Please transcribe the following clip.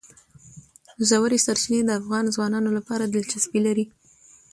ژورې سرچینې د افغان ځوانانو لپاره دلچسپي لري.